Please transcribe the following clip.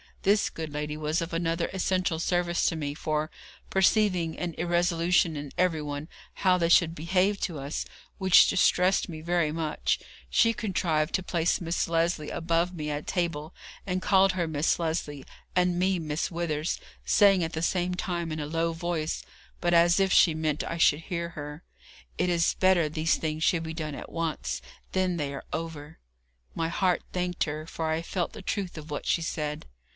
This good lady was of another essential service to me, for, perceiving an irresolution in everyone how they should behave to us, which distressed me very much, she contrived to place Miss Lesley above me at table, and called her Miss Lesley, and me Miss Withers, saying at the same time in a low voice, but as if she meant I should hear her, 'It is better these things should be done at once, then they are over.' My heart thanked her, for I felt the truth of what she said.